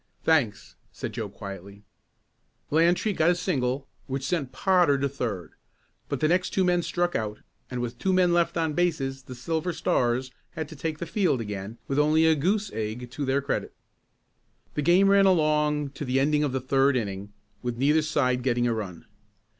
"Thanks," said Joe quietly. Lantry got a single which sent Potter to third, but the next two men struck out and with two men left on bases the Silver Stars had to take the field again with only a goose egg to their credit. The game ran along to the ending of the third inning with neither side getting a run.